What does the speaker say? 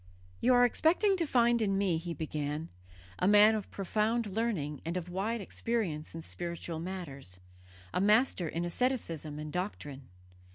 "'You are expecting to find in me,' he began, 'a man of profound learning and of wide experience in spiritual matters, a master in asceticism and doctrine.